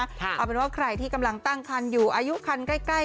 เอาเป็นว่าใครที่กำลังตั้งคันอยู่อายุคันใกล้